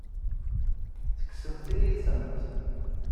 Tekksemt-iyi-tent.